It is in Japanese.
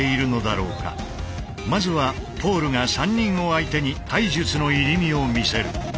まずはポールが３人を相手に体術の入身を見せる。